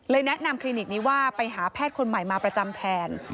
แนะนำคลินิกนี้ว่าไปหาแพทย์คนใหม่มาประจำแทน